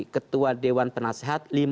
ketua dewan penasehat